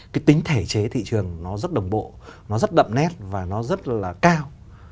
cái tính thể chế thị trường nó rất đồng bộ nó rất đậm nét và nó rất là cao